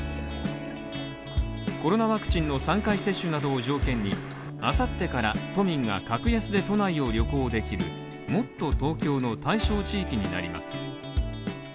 コロナワクチンの３回接種などを条件に、明後日から都民が格安で都内を旅行できる、もっとＴｏｋｙｏの対象地域になります。